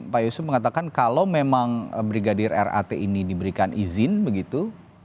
pak yusuf mengatakan kalau memang brigadir rat ini diberikan izin begitu